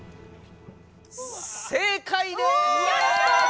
正解です！